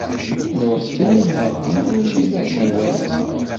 Nṛuḥ kan ad nɛeddi, armi i aɣ-d-iwala.